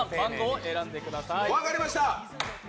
分かりました！